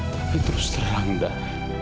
tapi terus terang dah